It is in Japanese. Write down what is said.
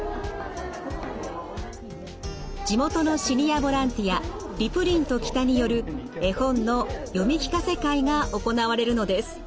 地元のシニアボランティア「りぷりんと・北」による絵本の読み聞かせ会が行われるのです。